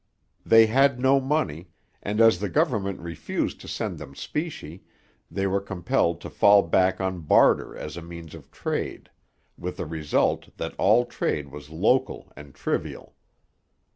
They had no money, and as the government refused to send them specie, they were compelled to fall back on barter as a means of trade, with the result that all trade was local and trivial.